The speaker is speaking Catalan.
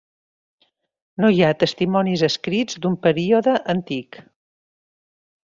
No hi ha testimonis escrits d'un període antic.